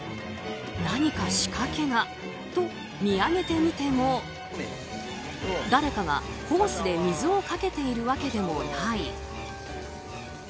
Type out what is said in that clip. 何か仕掛けが？と見上げてみても誰かがホースで水をかけているわけでもない。